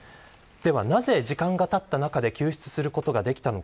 なぜ、時間がたった中で救出することができたのか。